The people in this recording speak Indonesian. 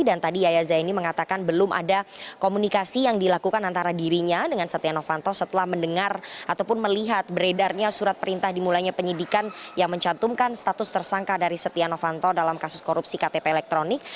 dan tadi yahya zaini mengatakan belum ada komunikasi yang dilakukan antara dirinya dengan setia novanto setelah mendengar ataupun melihat beredarnya surat perintah dimulainya penyidikan yang mencantumkan status tersangka dari setia novanto dalam kasus korupsi ktp elektronik